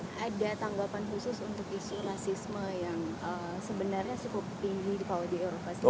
apakah ada tanggapan khusus untuk isu rasisme yang sebenarnya cukup tinggi kalau di eropa sendiri